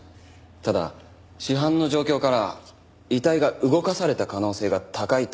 ただ死斑の状況から遺体が動かされた可能性が高いとの事でした。